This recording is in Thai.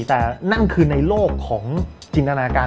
แต่นั่นคือในโลกของจินตนาการ